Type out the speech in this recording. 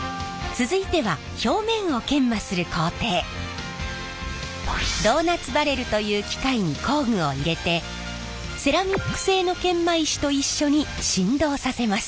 続いてはドーナツバレルという機械に工具を入れてセラミック製の研磨石と一緒に振動させます。